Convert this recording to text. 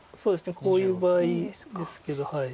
こういう場合ですけどはい。